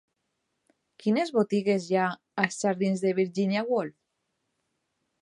Quines botigues hi ha als jardins de Virginia Woolf?